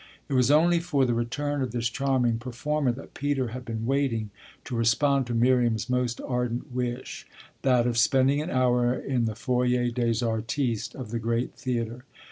It was only for the return of this charming performer that Peter had been waiting to respond to Miriam's most ardent wish that of spending an hour in the foyer des artistes of the great theatre.